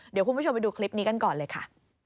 เดี๋ยวคุณผู้ชมไปดูคลิปนี้กันก่อนเลยค่ะ